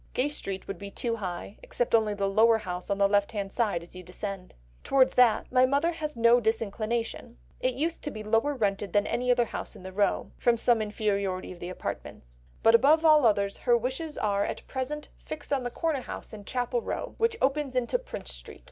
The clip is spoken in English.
Gay Street would be too high, except only the lower house on the left hand side as you descend. Towards that my mother has no disinclination; it used to be lower rented than any other house in the row, from some inferiority in the apartments. But above all others her wishes are at present fixed on the corner house in Chapel Row which opens into Prince Street.